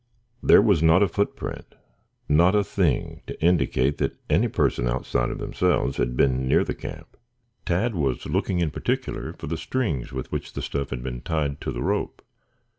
There was not a footprint, not a thing to indicate that any person outside of themselves had been near the camp. Tad was looking in particular for the strings with which the stuff had been tied to the rope.